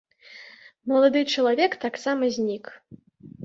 Малады чалавек таксама знік.